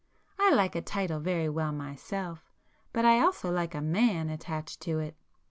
I like a title very well myself—but I also like a man attached to it."